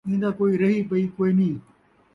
ایندا کئی رہی پئی کوئنھی